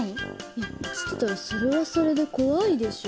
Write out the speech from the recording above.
いや写ってたらそれはそれで怖いでしょ。